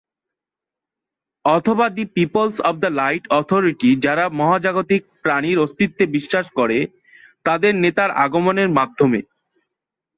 অথবা the peoples of the light authority যারা মহাজাগতিক প্রাণীর অস্তিত্বে বিশ্বাস করে তাদের নেতার আগমনের মাধ্যমে।